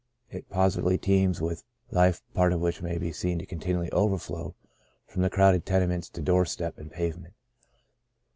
It positively teems with life, part of which may be seen to continually overflow from the crowded tenements to door step and pavement.